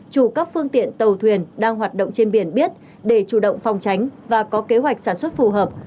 chủ các phương tiện tàu thuyền đang hoạt động trên biển biết để chủ động phòng tránh và có kế hoạch sản xuất phù hợp